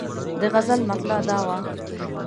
د غزل مطلع دا وه.